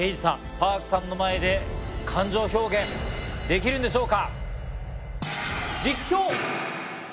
Ｐａｒｋさんの前で感情表現できるんでしょうか。